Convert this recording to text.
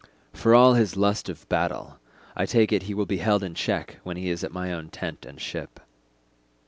For all his lust of battle, I take it he will be held in check when he is at my own tent and ship."